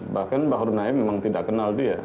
bahkan bahru naim memang tidak kenal dia